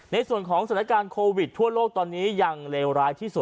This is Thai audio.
ในส่วนของสถานการณ์โควิดทั่วโลกตอนนี้ยังเลวร้ายที่สุด